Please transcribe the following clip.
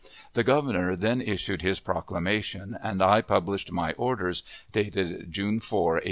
The Governor then issued his proclamation, and I published my orders, dated June 4, 1855.